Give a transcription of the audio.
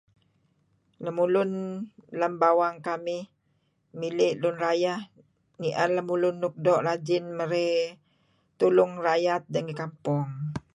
Lemulun lem bawang kamih mili' lun rayeh ni'er lemulun nuk doo' rajin merey tulung rakyat ngi kampung